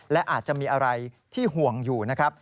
และอาจจะมีอะไรที่ห่วงอยู่นะครับ